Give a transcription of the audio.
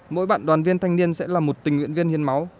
mỗi bạn đoàn viên thanh niên sẽ là một tình nguyện viên hiến máu